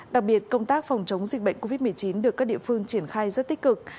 đặc biệt công tác phòng chống dịch bệnh covid một mươi chín được các địa phương triển khai rất tích cực